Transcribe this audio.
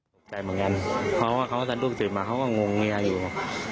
ตกใจเหมือนกันเพราะว่าเขาสะดุ้งตื่นมาเขาก็งงเมียอยู่